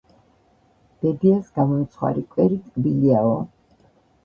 ბებიას გამომცხვარი კვერი ტკბილიაო